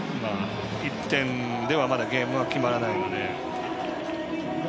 １点ではまだゲームは決まらないので。